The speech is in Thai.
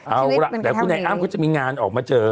เอาล่ะเดี๋ยวคุณแหน่งอ้ามก็จะมีงานออกมาเจอ